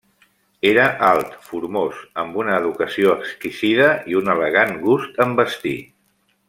Era alt, formós, amb una educació exquisida, i un elegant gust en vestir.